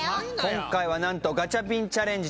今回は何とガチャピンチャレンジ